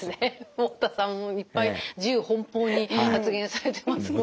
太田さんもいっぱい自由奔放に発言されてますもんね。